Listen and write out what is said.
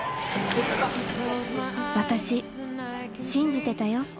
私信じてたよ